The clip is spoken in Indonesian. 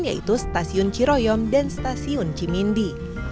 yaitu stasiun ciroyom dan stasiun cimindi